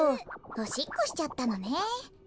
おしっこしちゃったのね。